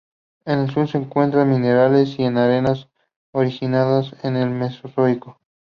En el sur se encuentran minerales y arena originada en el mesozoico.